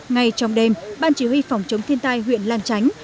ngay trong đêm ban chỉ huy phòng chống thiên tai huyện lan tránh